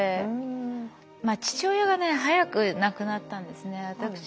父親がね早く亡くなったんですね